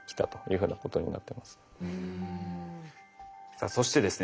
さあそしてですね